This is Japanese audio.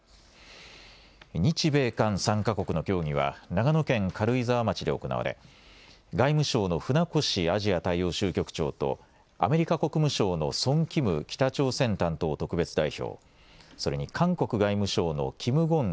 日米韓３か国の協議は長野県軽井沢町で行われ外務省の船越アジア大洋州局長とアメリカ国務省のソン・キム北朝鮮担当特別代表、それに韓国外務省のキム・ゴン